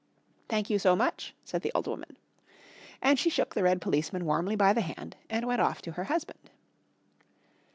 "Thank you so much," said the old woman. And she shook the red policeman warmly by the hand and went off to her husband.